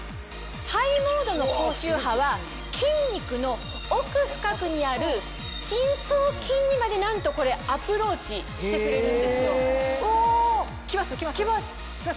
ＨＩＧＨモードの高周波は筋肉の奥深くにある深層筋にまでなんとこれアプローチしてくれるんですよ。来ます来ます？来ます。